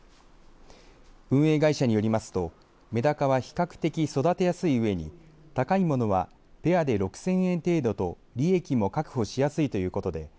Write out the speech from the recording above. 運営会社によりますとめだかは比較的育てやすいうえに高いものはペアで６０００円程度と利益も確保しやすいということです。